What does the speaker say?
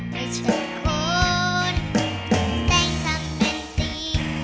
ไม่ใช่โคตรแสงทำเป็นสิ่ง